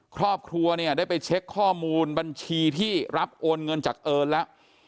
ครอบครัวเนี่ยได้ไปเช็คข้อมูลบัญชีที่รับโอนเงินจากเอิญแล้ว